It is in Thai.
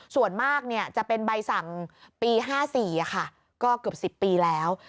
ส่วนมากจะเป็นใบสั่งปี๕๔ก็เกือบ๑๐ปีแล้ว